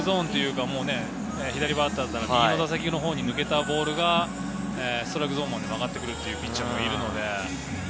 左バッターなら右バッターのほうに抜けたボールがストライクゾーンまで曲がってくるというピッチャーがいるので。